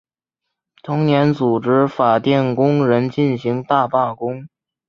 同年组织法电工人进行大罢工。